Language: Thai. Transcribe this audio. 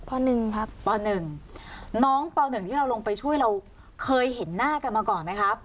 ปหนึ่งครับปหนึ่งน้องปหนึ่งที่เราลงไปช่วยเราเคยเห็นหน้ากันมาก่อนไหมครับ